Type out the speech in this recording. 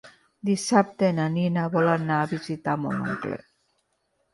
Dissabte na Nina vol anar a visitar mon oncle.